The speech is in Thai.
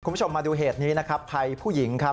คุณผู้ชมมาดูเหตุนี้นะครับภัยผู้หญิงครับ